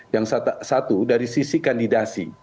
yang satu dari sisi kandidasi